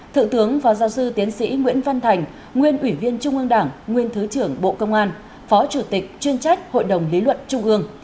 thượng tướng phó giáo sư tiến sĩ nguyễn văn thành nguyên ủy viên trung ương đảng nguyên thứ trưởng bộ công an phó chủ tịch chuyên trách hội đồng lý luận trung ương